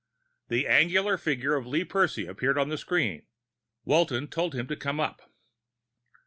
The angular figure of Lee Percy appeared on the screen. Walton told him to come in.